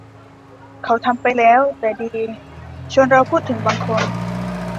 เขาทำไปแล้ว แต่ดี ชวนเราพูดถึงบางคน